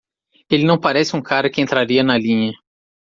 Ele não parece um cara que entraria na linha.